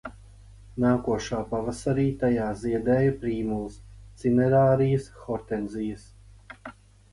Nākošā pavasarī tajā ziedēja prīmulas, cinerarījas, hortenzijas.